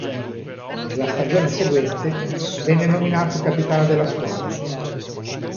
Nella stagione seguente, venne nominato capitano della squadra.